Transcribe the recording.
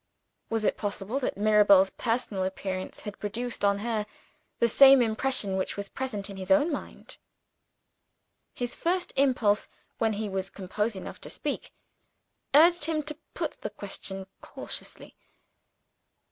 Was it possible that Mirabel's personal appearance had produced on her the same impression which was present in his own mind? His first impulse, when he was composed enough to speak, urged him to put the question cautiously.